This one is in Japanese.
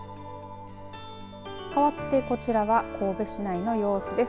かわってこちらは神戸市内の様子です。